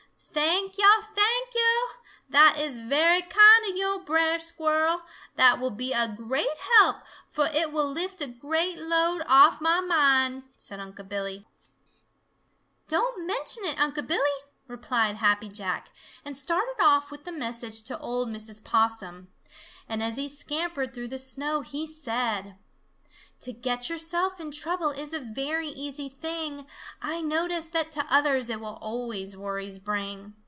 "Thank yo'! Thank yo'! That is very kind of yo', Brer Squirrel. That will be a great help, fo' it will lift a great load off mah mind," said Unc' Billy. "Don't mention it, Unc' Billy!" replied Happy Jack and started off with the message to old Mrs. Possum, and as he scampered through the snow he said: "To get yourself in trouble is a very easy thing. I notice that to others it will always worries bring.